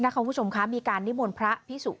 คุณผู้ชมคะมีการนิมนต์พระพิสุ